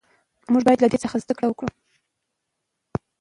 موږ باید له ده څخه زده کړه وکړو.